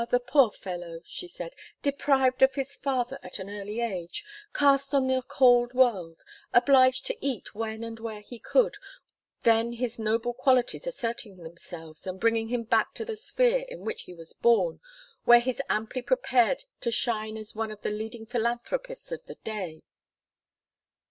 the poor fellow,' she said, 'deprived of his father at an early age, cast on the cold world, obliged to eat when and where he could, then his noble qualities asserting themselves, and bringing him back to the sphere in which he was born, where he is amply prepared to shine as one of the leading philanthropists of the day.